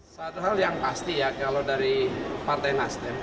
satu hal yang pasti ya kalau dari partai nasdem